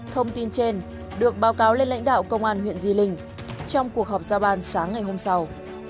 thông tin trên được báo cáo lên lãnh đạo công an huyện di linh trong cuộc họp giao ban sáng ngày hôm sau